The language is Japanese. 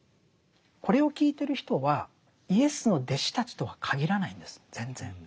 これを聞いてる人はイエスの弟子たちとは限らないんです全然。